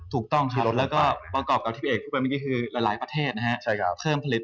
ถูกต้องครับและก็ประกอบกับที่เป็นก็คือหลายประเทศนะครับ